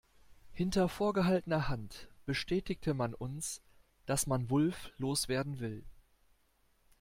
Hinter vorgehaltener Hand bestätigte man uns, dass man Wulff loswerden will.